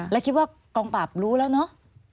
แล้วคิดว่ากองปราบรู้แล้วเนอะ